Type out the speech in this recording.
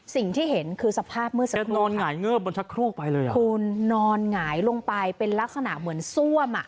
สิ่งที่เห็นคือสภาพเมื่อสักครู่ค่ะคุณนอนหงายลงไปเป็นลักษณะเหมือนซ่วมอ่ะ